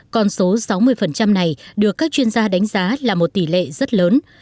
con số sáu mươi này được các chuyên gia đánh giá là một tỷ lệ rất lớn